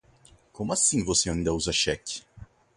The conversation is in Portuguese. Como assim você ainda usa cheque?